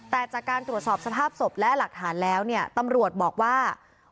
แต่จากการตรวจสอบสภาพศพและหลักฐานแล้วเนี่ยตำรวจบอกว่า